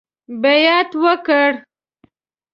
بیعت وکړ.